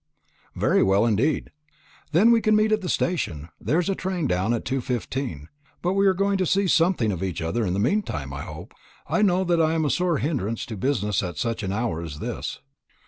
"Very well indeed." "Then we can meet at the station. There is a train down at 2.15. But we are going to see something of each other in the meantime, I hope. I know that I am a sore hindrance to business at such an hour as this.